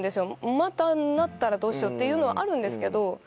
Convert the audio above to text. またなったらどうしようっていうのはあるんですけど。